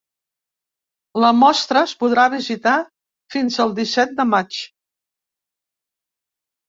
La mostra es podrà visitar fins el disset de maig.